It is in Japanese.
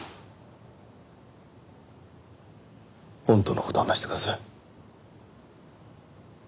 本当の事を話してください。